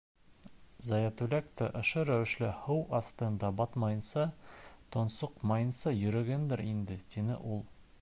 — Заятүләк тә ошо рәүешле һыу аҫтында батмайынса, тонсоҡмайынса йөрөгәндер инде, - тине ул.